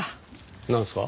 なんすか？